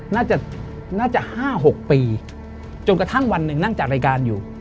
น่าจะน่าจะ๕๖ปีจนกระทั่งวันหนึ่งนั่งจากรายการอยู่